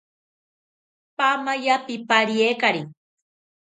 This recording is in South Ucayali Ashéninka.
Paamaya pipariekari